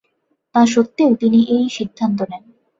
তা স্বত্ত্বেও তিনি এ সিদ্ধান্ত নেন।